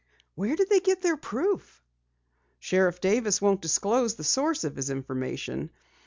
"Where did they get their proof?" "Sheriff Davis won't disclose the source of his information.